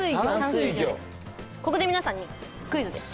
ここで皆さんにクイズです。